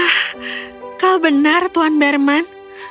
hah kau benar tuan berman